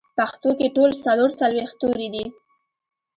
پښتو کې ټول څلور څلوېښت توري دي